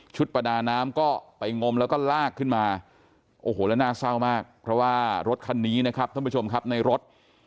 ประดาน้ำก็ไปงมแล้วก็ลากขึ้นมาโอ้โหแล้วน่าเศร้ามากเพราะว่ารถคันนี้นะครับท่านผู้ชมครับในรถ